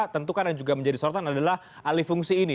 tentukan yang juga menjadi sorotan adalah alih fungsi ini